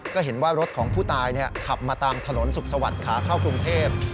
ก็เห็นว่ารถของผู้ตายขับมาตามถนนสุขสวัสดิ์ขาเข้ากรุงเทพ